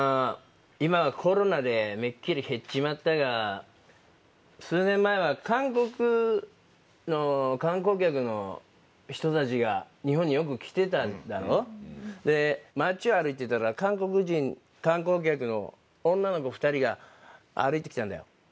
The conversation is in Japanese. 今はコロナでめっきり減っちまったが数年前は韓国の観光客の人たちが日本によく来てただろ街を歩いてたら韓国人観光客の女の子２人が歩いてきたんだよ